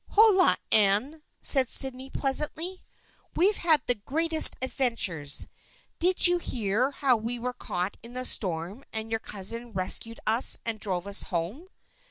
" Holloa, Anne !" said Sydney pleasantly. " We've had the greatest adventures. Did you hear how we were caught in the storm and your cousin rescued us and drove us home